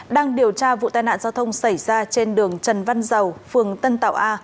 đang điều tra vụ tai nạn giao thông xảy ra trên đường trần văn dầu phường tân tạo a